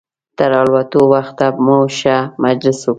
تر الوتلو وخته مو ښه مجلس وکړ.